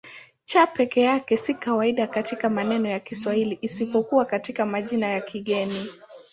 C peke yake si kawaida katika maneno ya Kiswahili isipokuwa katika majina ya kigeni.